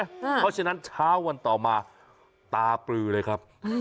เพราะฉะนั้นเช้าวันต่อมาตาปลือเลยครับ